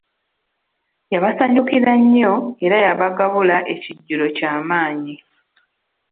Yabasanyukira nnyo era yabagabula ekijjulo kyamanyi.